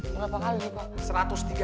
berapa kali pak